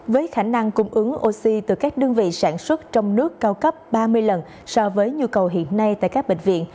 với khả năng cung ứng oxy từ các đơn vị sản xuất trong nước cao cấp ba mươi lần so với nhu cầu hiện nay tại các bệnh viện